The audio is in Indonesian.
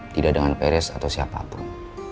tidak dengan feris atau siapa pun